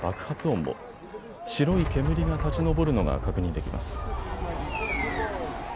白い煙が立ち上るのが確認できます。